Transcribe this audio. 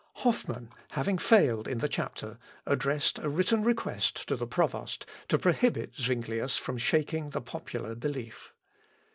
Hoffman, having failed in the chapter, addressed a written request to the provost to prohibit Zuinglius from shaking the popular belief.